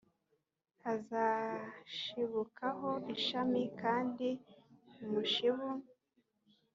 hazashibukaho ishami kandi umushibu